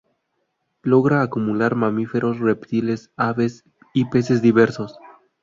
Logra acumular mamíferos, reptiles, aves y peces diversos.